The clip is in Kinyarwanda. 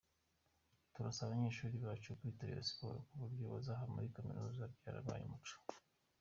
Turasaba abanyeshuri bacu kwitabira siporo ku buryo bazava muri kaminuza byarabaye umuco.